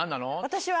私は。